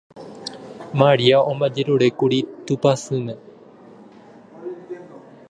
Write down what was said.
Maria omba'ejerurékuri Tupãsýme.